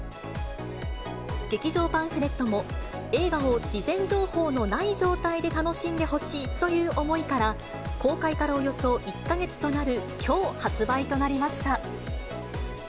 劇場パンフレットも、映画を事前情報のない状態で楽しんでほしいという思いから、公開からおよそ１か月となるきょう、発売となりました。